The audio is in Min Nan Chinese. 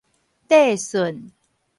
帝舜